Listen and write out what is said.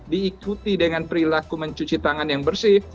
diikuti dengan perilaku mencuci tangan yang bersih